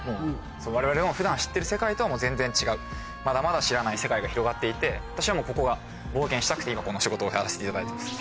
われわれの普段知ってる世界とは全然違うまだまだ知らない世界が広がっていて私はここが冒険したくて今この仕事をやらせていただいてます。